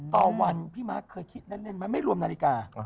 ต่อวันพี่มาร์คเคยคิดแน่นมั้ยไม่รวมนาฬิกา